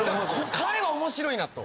彼は面白いなと。